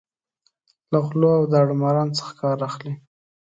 له غلو او داړه مارانو څخه کار اخلي.